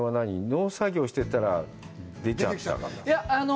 農作業してたら出ちゃったの？